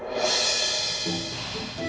ya udah kita tunggu aja